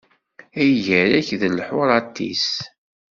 Ay gar-ak d lḥuṛat-is!